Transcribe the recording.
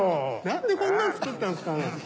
何でこんなん作ったんすかね。